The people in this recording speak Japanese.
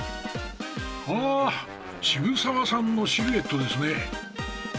あ渋沢さんのシルエットですね。